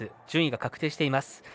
順位が確定しています。